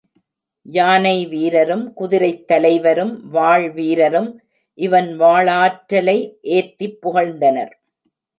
யானை வீரரும், குதிரைத் தலைவரும், வாள் வீரரும் இவன் வாளாற்றலை ஏத்திப் புகழ்ந்தனர்.